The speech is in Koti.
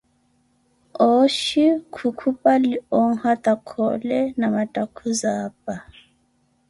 Ooxhi khukhupali ohata Khoole na mattakhuzi apa.